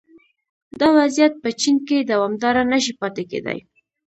دا وضعیت په چین کې دوامداره نه شي پاتې کېدای